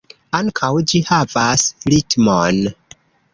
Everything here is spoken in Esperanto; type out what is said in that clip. Ankaŭ ĝi havas ritmon.